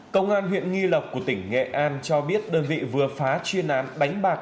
công an huyện nghi lộc của tỉnh nghệ an cho biết đơn vị vừa phá chuyên án đánh bạc